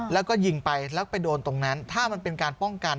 แล้วก็ยิงไปแล้วไปโดนตรงนั้นถ้ามันเป็นการป้องกัน